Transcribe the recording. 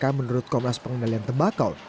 kpk menurut komnas pengendalian tembakau